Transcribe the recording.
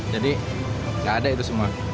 jadi nggak ada itu semua